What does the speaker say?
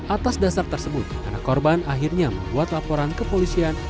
atas dasar tersebut anak korban akhirnya membuat laporan kepolisian